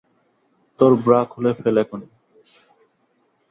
তোর ব্রা খুলে ফেল, এখনি!